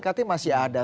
katanya masih ada